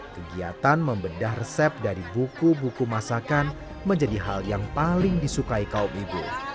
kegiatan membedah resep dari buku buku masakan menjadi hal yang paling disukai kaum ibu